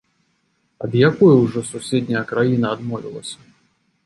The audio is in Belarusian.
Ад якой ужо суседняя краіна адмовілася?